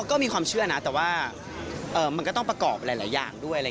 ก็มีความเชื่อนะแต่ว่ามันก็ต้องประกอบหลายอย่างด้วย